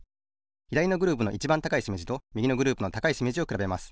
ひだりのグループのいちばん高いしめじとみぎのグループの高いしめじをくらべます。